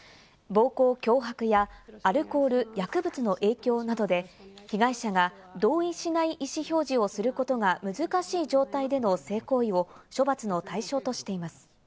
暴行・脅迫や、アルコール・薬物の影響などで、被害者が同意しない意思表示をすることが難しい状態での性行為を処罰の対象としています。